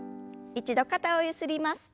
一度肩をゆすります。